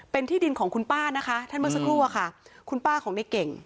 เป็นที่ดินของคุณป้านะคะท่านเมื่อสักครู่อะค่ะคุณป้าของในเก่ง